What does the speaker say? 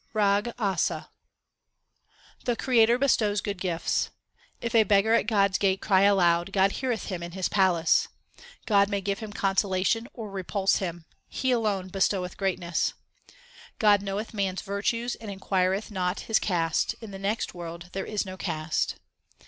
304 THE SIKH RELIGION RAG ASA The Creator bestows good gifts : If a beggar at God s gate cry aloud, God heareth him in His palace. God may give him consolation or repulse him ; He alone bestoweth greatness. God knoweth man s virtues and inquireth not his caste ; in the next world there is no caste.